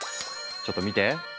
ちょっと見て！